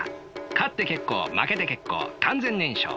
勝って結構負けて結構完全燃焼。